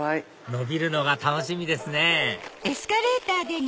伸びるのが楽しみですね